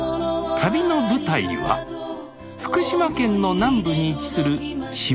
旅の舞台は福島県の南部に位置する下郷町です